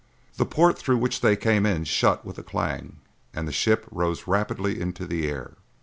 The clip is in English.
The port through which they came in shut with a clang and the ship rose rapidly into the air.